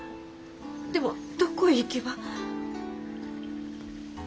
でもどこへ行けば。